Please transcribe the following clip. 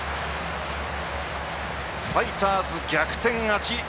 ファイターズ逆転勝ち。